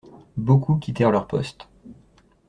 Beaucoup quittèrent leur poste.